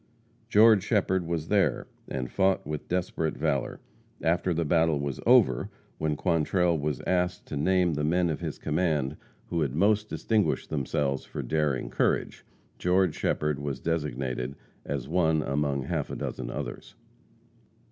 George Shepherd was there, and fought with desperate valor. After the battle was over, when Quantrell was asked to name the men of his command who had most distinguished themselves for daring courage, George Shepherd was designated as one among half a dozen others.